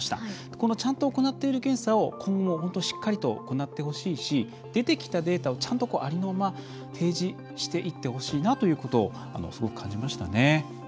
この、ちゃんと行っている検査を今後、しっかりと行ってほしいし出てきたデータをちゃんと、ありのまま提示していってほしいなということをすごく感じましたね。